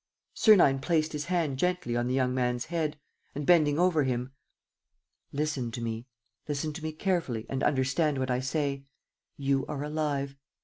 ..." Sernine placed his hand gently on the young man's head and, bending over him: "Listen to me ... listen to me carefully and understand what I say. You are alive.